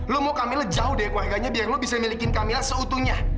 lo mau kamila jauh dari keluarganya biar lo bisa miliki kamila seutuhnya